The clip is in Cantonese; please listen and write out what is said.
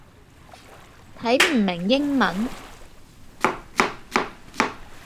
睇唔明英文